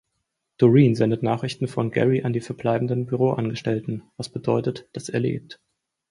Dorine sendet Nachrichten von Gary an die verbleibenden Büroangestellten, was bedeutet, dass er lebt.